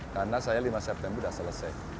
karena saya lima september sudah selesai